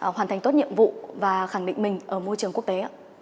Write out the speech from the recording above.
hoàn thành tốt nhiệm vụ và khẳng định mình ở môi trường quốc tế